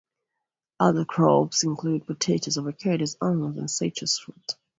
Other crops include potatoes, avocados, almonds and citrus fruit.